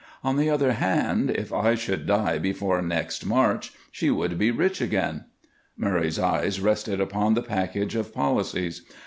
On the other hand, if I should die before next March she would be rich again." Murray's eyes rested upon the package of policies.